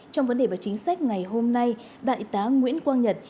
trong vấn đề và chính sách ngày hôm nay đại tá nguyễn quang nhật